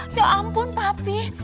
ya ampun papi